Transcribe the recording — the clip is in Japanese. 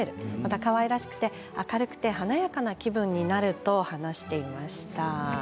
かわいらしくて、明るくて華やかな気分になると話していました。